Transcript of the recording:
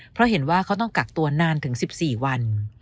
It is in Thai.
เพราะเห็นว่าเขาต้องกักตัวนานถึง๑๔วัน